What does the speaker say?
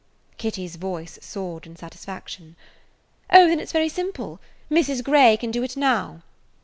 Kitty's voice soared in satisfaction. "Oh, then it 's very simple. Mrs. Grey can do it now.